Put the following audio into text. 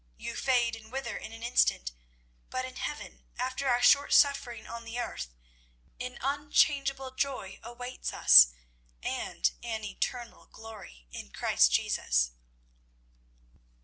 You fade and wither in an instant, but in heaven, after our short suffering on the earth, an unchangeable joy awaits us and an eternal glory in Christ Jesus."